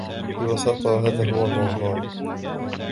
ببساطة هذا هو الموضوع.